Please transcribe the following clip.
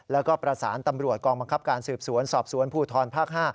แล้วก็ประสานตำรวจกองบังคับการสืบสวนสอบสวนภูทรภาค๕